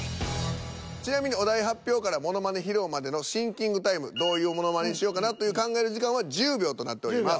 ちなみにお題発表からものまね披露までのシンキングタイムどういうものまねにしようかなと考える時間は１０秒となっております。